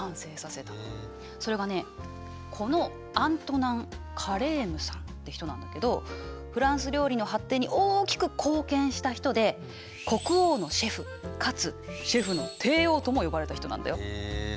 それがこのアントナン・カレームさんって人なんだけどフランス料理の発展に大きく貢献した人で国王のシェフかつシェフの帝王とも呼ばれた人なんだよ。へえ。